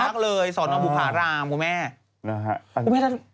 พักเลยสอนเพิ่มวิทยาลังคษ์บุผารามคุณแม่